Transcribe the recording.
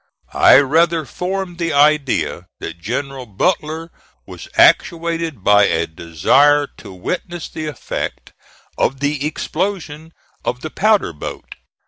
I rather formed the idea that General Butler was actuated by a desire to witness the effect of the explosion of the powder boat.